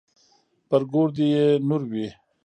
پر ګور دې يې نور وي.